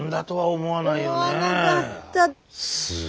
思わなかった。